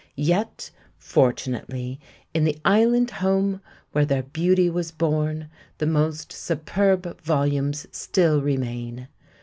Yet, fortunately, in the island home where their beauty was born the most superb volumes still remain.